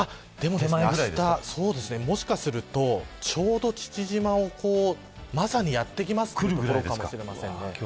もしかすると、ちょうど父島まさにやってくるところかもしれません。